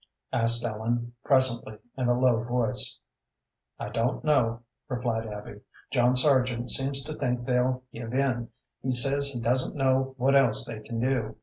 asked Ellen, presently, in a low voice. "I don't know," replied Abby. "John Sargent seems to think they'll give in. He says he doesn't know what else they can do.